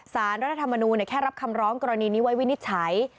สารรัฐธรรมนูลแค่รับคำร้องกรณีนี้ไว้วินิจฉัย